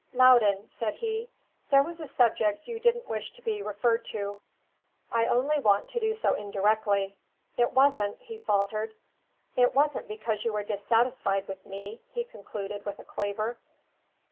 "Loudon," said he, "there was a subject you didn't wish to be referred to. I only want to do so indirectly. It wasn't" he faltered "it wasn't because you were dissatisfied with me?" he concluded, with a quaver.